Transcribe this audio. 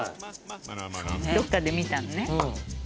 どっかで見たのね。